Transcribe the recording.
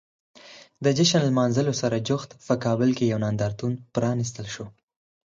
د جشن لمانځلو سره جوخت په کابل کې یو نندارتون پرانیستل شو.